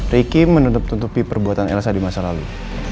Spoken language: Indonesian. riki menutup tutupi perbuatan elsa di masa lalu